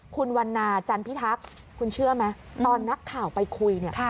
คุณวันนาจันพิทักษ์คุณเชื่อไหมตอนนักข่าวไปคุยเนี่ย